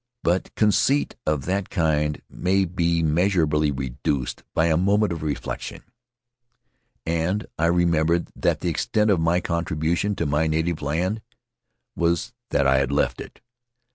But conceit of that kind may be measurably reduced by a moment of reflection, and I remembered that the extent of my contribution to my native land was that I had left it.